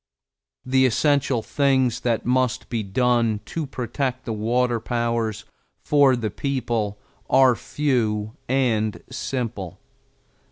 The essential things that must be done to protect the water powers for the people are few and simple.